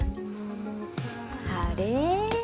あれ？